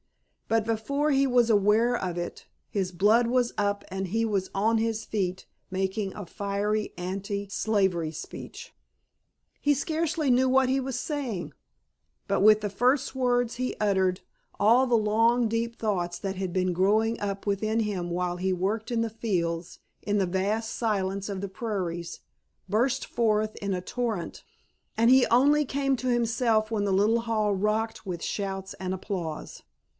But before he was aware of it his blood was up and he was on his feet making a fiery anti slavery speech. He scarcely knew what he was saying. But with the first words he uttered all the long, deep thoughts that had been growing up within him while he worked in the fields in the vast silence of the prairies burst forth in a torrent, and he only came to himself when the little hall rocked with shouts and applause.